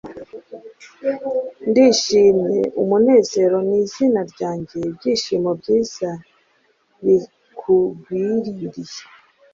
Ndishimye, Umunezero ni izina ryanjye.' Ibyishimo byiza bikugwiririye!